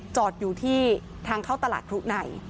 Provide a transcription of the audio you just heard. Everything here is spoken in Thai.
จอดอยู่ที่ทางเข้าตลาดครุใน